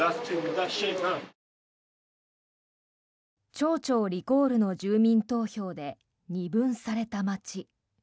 町長リコールの住民投票で二分された町。